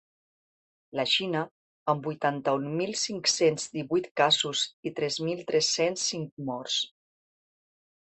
La Xina, amb vuitanta-un mil cinc-cents divuit casos i tres mil tres-cents cinc morts.